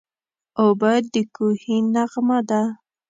اوبه د کوهي نغمه ده.